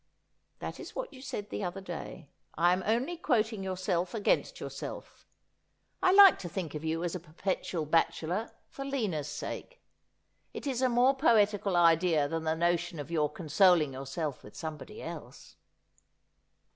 ' That is what you said the other day. I am only quoting yourself against yourself. I like to think of you as a perpetual bachelor for Lina's sake. It is a more poetical idea than the notion of your consoling yourself with somebody else.'